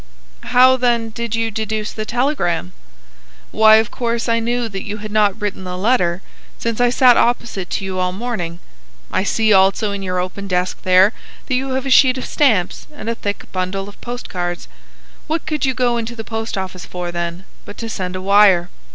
"How, then, did you deduce the telegram?" "Why, of course I knew that you had not written a letter, since I sat opposite to you all morning. I see also in your open desk there that you have a sheet of stamps and a thick bundle of post cards. What could you go into the post office for, then, but to send a wire?